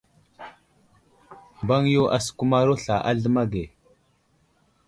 Mbaŋ yo asəkumaro sla a zləma ge.